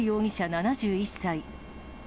７１歳。